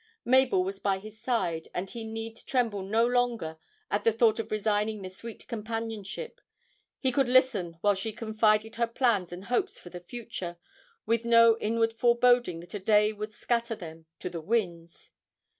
Mabel was by his side, and he need tremble no longer at the thought of resigning the sweet companionship, he could listen while she confided her plans and hopes for the future, with no inward foreboding that a day would scatter them to the winds!